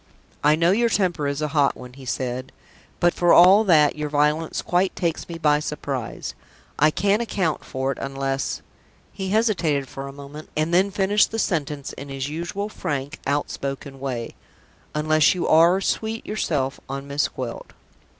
"I know your temper is a hot one," he said. "But for all that, your violence quite takes me by surprise. I can't account for it, unless" he hesitated a moment, and then finished the sentence in his usual frank, outspoken way "unless you are sweet yourself on Miss Gwilt."